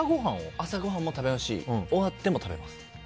朝ごはんも食べますし終わっても食べます。